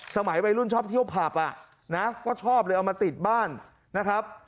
สมัยวัยรุ่นชอบเที่ยวผับอ่ะนะก็ชอบเลยเอามาติดบ้านนะครับ